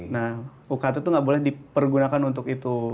nah ukt itu nggak boleh dipergunakan untuk itu